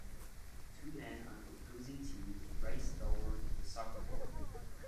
Two men on opposing teams race toward a soccer ball